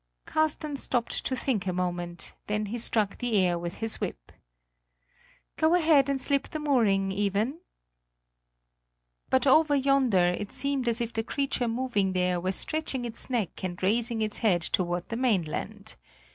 Carsten stopped to think a moment; then he struck the air with his whip: "Go ahead and slip the mooring, Iven." But over yonder it seemed as if the creature moving there were stretching its neck and raising its head toward the mainland.